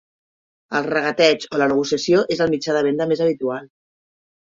El regateig o la negociació és el mitjà de venda més habitual.